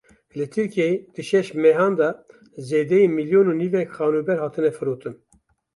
Li Tirkiyeyê di şeş mehan de zêdeyî milyon û nîvek xanûber hatine firotin.